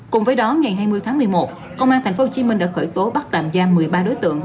cùng với đó ngày hai mươi tháng một mươi một công an tp hcm đã khởi tố bắt tạm giam một mươi ba đối tượng